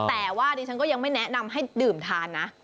แต่ว่าดิฉันก็ยังไม่แนะนำให้ดื่มทานนะ